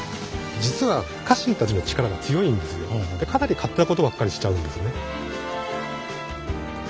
かなり勝手なことばっかりしちゃうんですね。